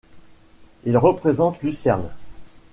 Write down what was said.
Il représente Lucerne.